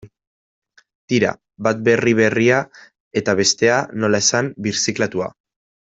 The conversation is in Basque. Tira, bat berri berria eta bestea, nola esan, birziklatua.